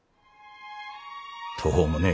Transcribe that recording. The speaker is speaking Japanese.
途方もねえ